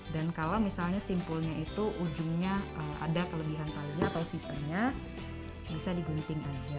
dan kalau misalnya simpulnya itu ujungnya ada kelebihan talinya atau sisanya bisa diguniting aja